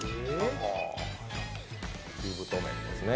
中太麺ですね。